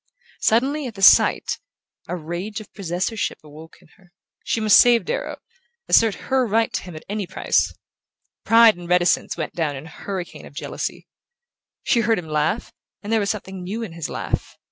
Suddenly, at the sight, a rage of possessorship awoke in her. She must save Darrow, assert her right to him at any price. Pride and reticence went down in a hurricane of jealousy. She heard him laugh, and there was something new in his laugh...